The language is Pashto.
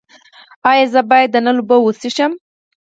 ایا زه باید د نل اوبه وڅښم؟